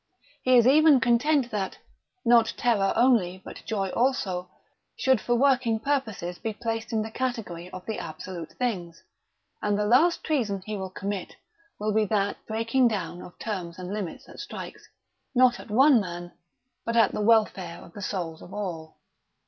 He is even content that, not terror only, but joy also, should for working purposes be placed in the category of the absolute things; and the last treason he will commit will be that breaking down of terms and limits that strikes, not at one man, but at the welfare of the souls of all.